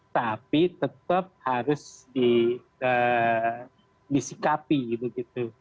tapi tetap harus disikapi begitu